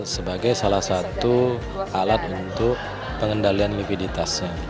sebagai salah satu alat untuk pengendalian likuiditasnya